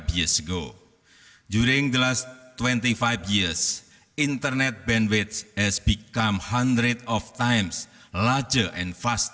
selama dua puluh lima tahun penerbangan internet menjadi seratus kali lebih besar dan lebih cepat